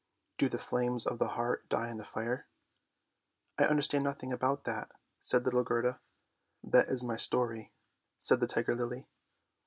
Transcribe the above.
Do the flames of the heart die in the fire? "" I understand nothing about that," said little Gerda. " That is my story," said the Tiger lily.